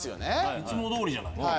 いつも通りじゃない。